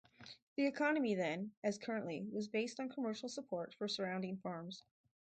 The economy then, as currently, was based on commercial support for surrounding farms.